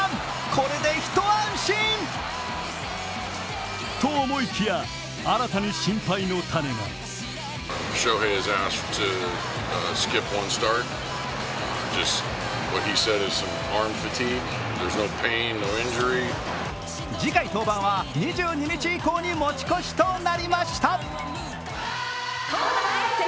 これで一安心。と思いきや、新たに心配の種が次回登板は２２日以降に持ち越しとなりまた。